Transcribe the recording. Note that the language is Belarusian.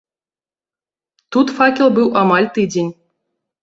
Тут факел быў амаль тыдзень.